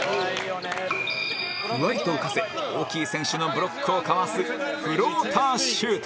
ふわりと浮かせ大きい選手のブロックをかわすフローターシュート